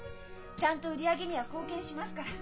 ちゃんと売り上げには貢献しますから。